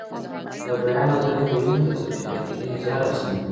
د بیان ازادي مهمه ده ځکه چې د عقیدې اظهار اسانوي.